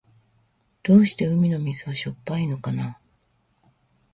どうして海の水はしょっぱいのかな。